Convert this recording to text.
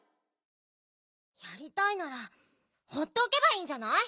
やりたいならほうっておけばいいんじゃない？